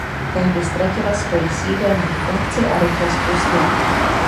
Tehdy ztratila svoji sídelní funkci a rychle zpustla.